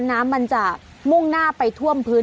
น้ำมันจะมุ่งหน้าไปท่วมพื้น